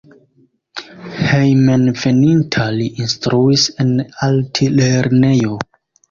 Hejmenveninta li instruis en Altlernejo.